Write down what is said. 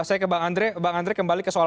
saya ke bang andre bang andre kembali ke soal